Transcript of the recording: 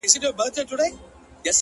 سیاه پوسي ده- خُم چپه پروت دی-